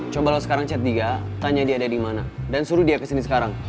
coba lo sekarang chat diga tanya dia ada dimana dan suruh dia kesini sekarang